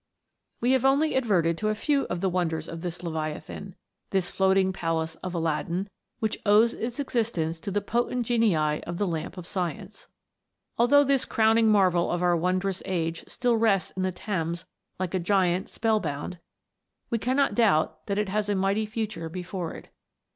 We have only adverted to a few of the wonders of this leviathan this floating palace of Aladdin, which owes its existence to the potent genii of the lamp of science. Although this crowning marvel of our wondrous age still rests in the Thames like a giant spell bound, we cannot doubt that it has a mighty future before it.